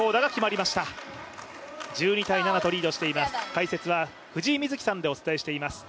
解説は藤井瑞希さんでお伝えしています。